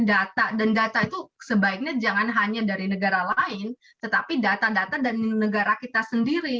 data dan data itu sebaiknya jangan hanya dari negara lain tetapi data data dari negara kita sendiri